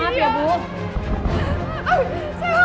tapi itu anak saya suster